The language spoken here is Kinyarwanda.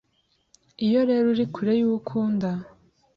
Iyo rero uri kure y’uwo ukunda